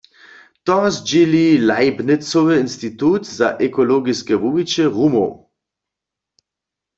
To zdźěli Leibnizowy insitut za ekologiske wuwiće rumow.